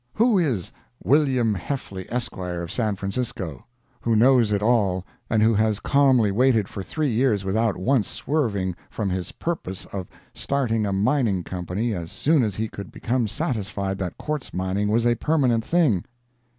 Who is "Wm. Heffly, Esq., of San Francisco," who knows it all, and who has calmly waited for three years without once swerving from his purpose of "starting a mining company" as soon as he could become satisfied that quartz mining was a permanent thing?